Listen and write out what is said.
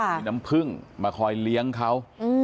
มีน้ำพึ่งมาคอยเลี้ยงเขา